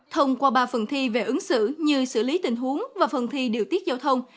thông qua ba phần thi về ứng xử như xử lý tình huống và phần thi điều tiết giao thông